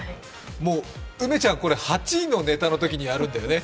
もう、梅ちゃん、８位のネタのときにやるんだよね？